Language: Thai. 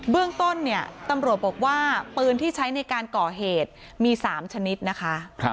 เรื่องต้นเนี่ยตำรวจบอกว่าปืนที่ใช้ในการก่อเหตุมี๓ชนิดนะคะ